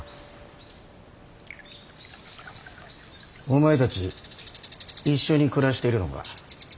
お前たち一緒に暮らしているのか。